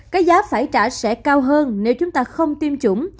cái giá phải trả sẽ cao hơn nếu chúng ta không tiêm chủng